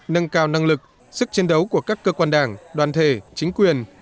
nâng cao năng lực sức chiến đấu của các cơ quan đảng đoàn thể chính quyền